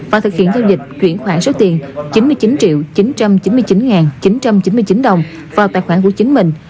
và thực hiện giao dịch chuyển khoản số tiền chín mươi chín triệu chín trăm chín mươi chín chín trăm chín mươi chín đồng vào tài khoản của chính mình